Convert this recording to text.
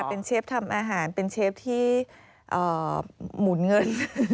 เป็นเชฟทำอาหารเป็นเชฟที่หมุนเงิน